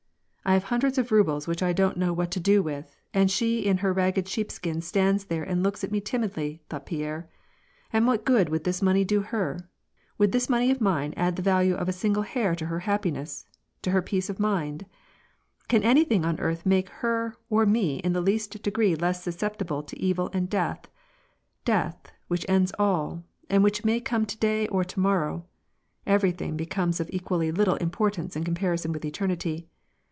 " I have hundreds of rubles which I don't know what to do with, and she in her ragged sheepskin stands th^re and looks at me timidly," thought Pierre. " And what good would this money do her ? Would this money of mine add the value of a single hair to her happiness, to her peace of mind ? Can anything on earth make her or me in the least degree less susceptible to evil and death ? Death, which ends all, and which may come to day or to morrow : everything becomes of equally little importance in comparison with eternity."